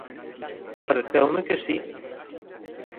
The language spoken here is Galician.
_Pareceume que si...